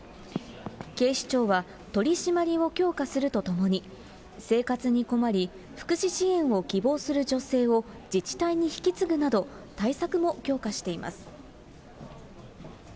警視庁は、取締りを強化するとともに、生活に困り、福祉支援を希望する女性を自治体に引き継ぐなど対策も強化しています。